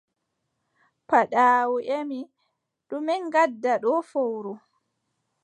Paaɗaawu ƴami: ɗume ngaɗɗa ɗo fowru?